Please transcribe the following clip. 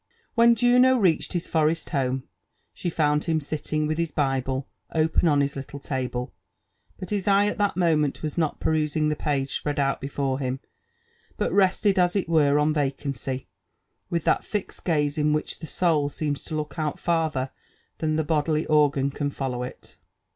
When Juno reached his forest home, she found him sitting with his Bible open on his little table ; but his eye at that moment was not perus ing the page spread out before him, but rested as it were on vacancy, with (hat fixed gaze in which the soul seems to look out farther than the bodily organ can follow it.